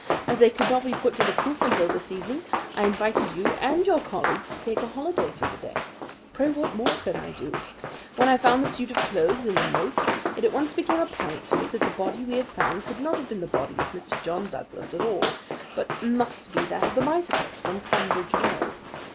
As they could not be put to the proof until this evening, I invited you and your colleague to take a holiday for the day. Pray what more could I do? When I found the suit of clothes in the moat, it at once became apparent to me that the body we had found could not have been the body of Mr. John Douglas at all, but must be that of the bicyclist from Tunbridge Wells.